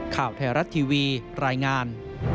ข่าวไทยรัฐทีวีรายงาน